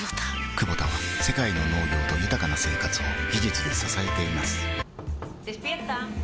クボタは世界の農業と豊かな生活を技術で支えています起きて。